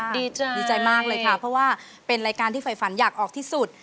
ดีใจมากเลยค่ะเพราะว่าเป็นรายการที่ไฟฝันอยากออกที่สุด